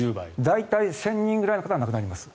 大体１０００人ぐらいの人が亡くなります。